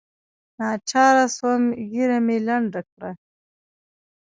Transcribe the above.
ناچاره سوم ږيره مې لنډه کړه.